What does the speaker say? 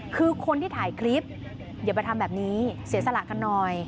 คือคนที่ถ่ายคลิปอย่าไปทำแบบนี้เสียสละกันหน่อย